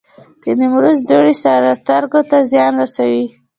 د نیمروز دوړې سترګو ته زیان رسوي؟